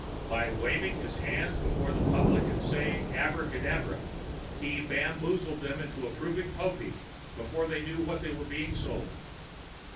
By waving his hands before the public and saying abracadabra, he bamboozled them into approving Popeek before they knew what they were being sold.